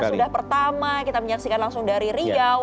sudah pertama kita menyaksikan langsung dari riau